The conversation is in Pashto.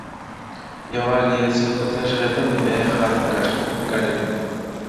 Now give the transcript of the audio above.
يوار يې زلفو ته ږغېږم بيا يې خال ته گډ يم _